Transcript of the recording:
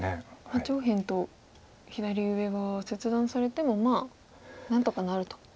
上辺と左上は切断されてもまあ何とかなると。